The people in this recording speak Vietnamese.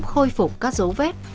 khôi phục các dấu vết